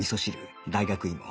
大学いも。